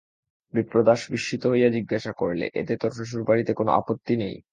বিপ্রদাস বিস্মিত হয়ে জিজ্ঞাসা করলে, এতে তোর শ্বশুরবাড়িতে কোনো আপত্তি নেই?